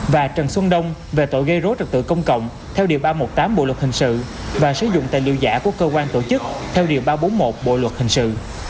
và trần xuân đông về tội gây rối trật tự công cộng theo điều ba trăm một mươi tám bộ luật hình sự và sử dụng tài liệu giả của cơ quan tổ chức theo điều ba trăm bốn mươi một bộ luật hình sự